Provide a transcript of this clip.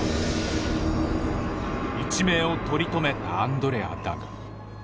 一命を取り留めたアンドレアだが。